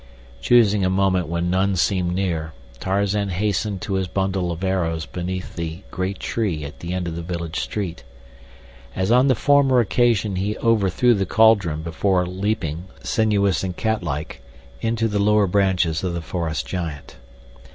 Choosing a moment when none seemed near, Tarzan hastened to his bundle of arrows beneath the great tree at the end of the village street. As on the former occasion he overthrew the cauldron before leaping, sinuous and catlike, into the lower branches of the forest giant.